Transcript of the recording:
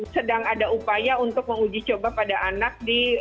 sedang ada upaya untuk menguji coba pada anak di